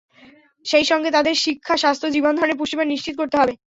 সেই সঙ্গে তাদের শিক্ষা, স্বাস্থ্য, জীবন ধারণের পুষ্টিমান নিশ্চিত করতে হবে।